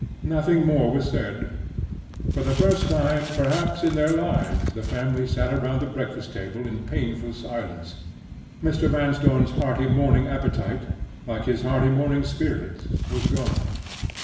Nothing more was said. For the first time, perhaps, in their lives, the family sat round the breakfast table in painful silence. Mr. Vanstone's hearty morning appetite, like his hearty morning spirits, was gone.